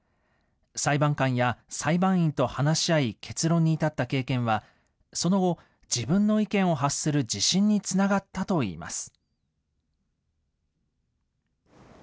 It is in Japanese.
裁判官や裁判員と話し合い、結論に至った経験は、その後、自分の意見を発する自信につながったといいます。